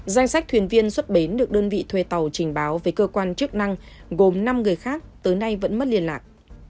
danh sách thuyền viên xuất bến được đơn vị thuê tàu trình báo với cơ quan chức năng gồm năm người khác tới nay vẫn mất liên lạc